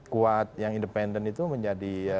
kuat yang independen itu menjadi